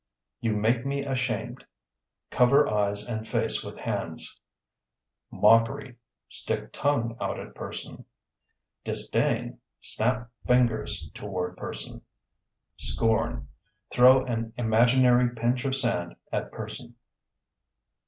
You make me ashamed (Cover eyes and face with hands). Mockery (Stick tongue out at person). Disdain (Snap fingers toward person). Scorn (Throw an imaginary pinch of sand at person).